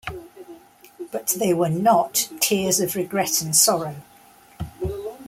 But they were not tears of regret and sorrow.